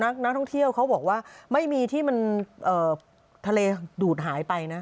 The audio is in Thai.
นักท่องเที่ยวเขาบอกว่าไม่มีที่มันทะเลดูดหายไปนะ